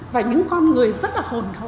và những con người rất là hồn hộ